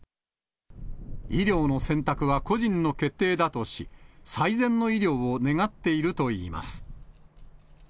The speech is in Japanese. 医療の選択は個人の決定だとし、最善の医療を願っているといいます。